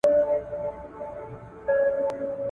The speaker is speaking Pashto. معلومات به په ذهن کې ساتل شوي وي.